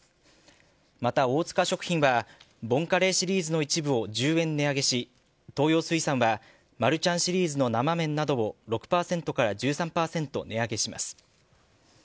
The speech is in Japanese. また、大塚食品はボンカレーシリーズの一部を１０円値上げし東洋水産はマルちゃんシリーズの生麺などを６％１３％値上げします。